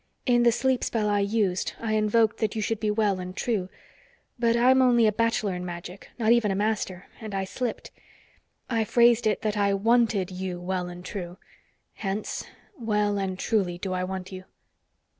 "In the sleep spell I used, I invoked that you should be well and true. But I'm only a bachelor in magic, not even a master, and I slipped. I phrased it that I wanted you well and true. Hence, well and truly do I want you."